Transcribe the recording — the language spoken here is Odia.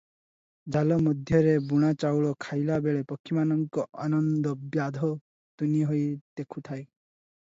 ଜାଲ ମଧ୍ୟରେ ବୁଣା ଚାଉଳ ଖାଇଲା ବେଳେ ପକ୍ଷୀମାନଙ୍କ ଆନନ୍ଦ ବ୍ୟାଧ ତୁନିହୋଇ ଦେଖୁଥାଏ ।